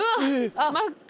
あっ真っ暗。